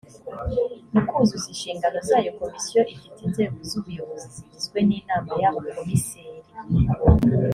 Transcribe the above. mu kuzuza inshingano zayo komisiyo ifite inzego z’ubuyobozi zigizwe n’inama y abakomiseri